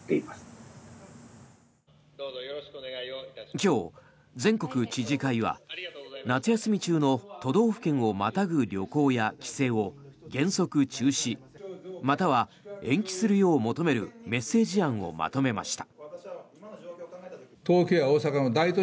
今日、全国知事会は夏休み中の都道府県をまたぐ旅行や帰省を原則中止、または延期するよう求めるメッセージ案をまとめました。